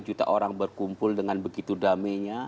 tujuh lima juta orang berkumpul dengan begitu damainya